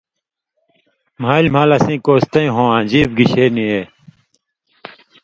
”مھالیۡ مھال اسیں کوستَیں ہوں آں ژیب گِشےۡ نی اے“۔